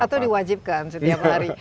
atau diwajibkan setiap hari